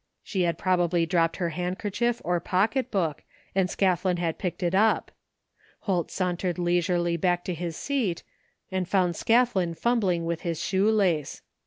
She had probably dropped her handkerchief or pocketbook afid Scathlin had picked it up. Holt sauntered leisurely back to his seat and found Scathlin fumbling with his shoe lace.